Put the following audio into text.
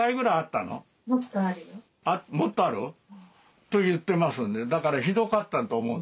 もっとある？と言ってますんでだからひどかったと思う。